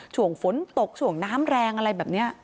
ช่วงฝนตกช่วงน้ำแรงอะไรแบบนี้